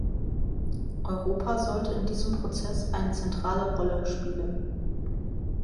Europa sollte in diesem Prozess eine zentrale Rolle spiele.